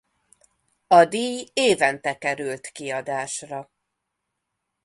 A díj évente került kiadásra.